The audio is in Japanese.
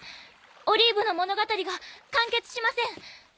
オリーブの物語が完結しません。